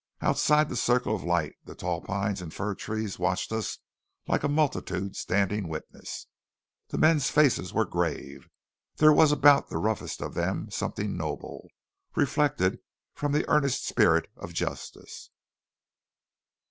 Outside the circle of light the tall pines and fir trees watched us like a multitude standing witness. The men's faces were grave. There was about the roughest of them something noble, reflected from the earnest spirit of justice.